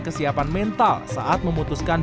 kesiapan mental saat memutuskan